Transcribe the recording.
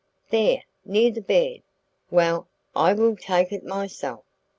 "There, near the bed. Well, I will take it myself."